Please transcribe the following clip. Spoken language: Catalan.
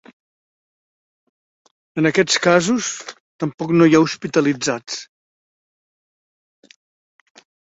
En aquest casos tampoc no hi ha hospitalitzats.